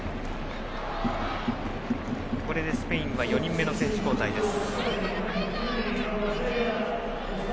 これでスペインは４人目の選手交代です。